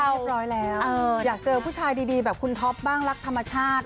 เรียบร้อยแล้วอยากเจอผู้ชายดีแบบคุณท็อปบ้างรักธรรมชาติ